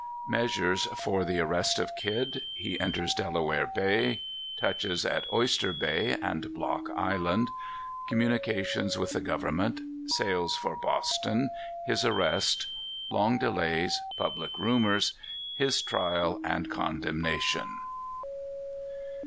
Measures for the Arrest of Kidd. He enters Delaware Bay. Touches at Oyster Bay and Block Island. Communications with the Government. Sails for Boston. His Arrest. Long Delays. Public Rumors. His Trial and Condemnation.